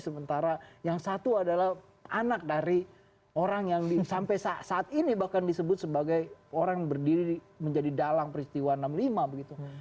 sementara yang satu adalah anak dari orang yang sampai saat ini bahkan disebut sebagai orang berdiri menjadi dalang peristiwa enam puluh lima begitu